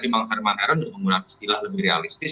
bang herman ada menggunakan istilah lebih realistis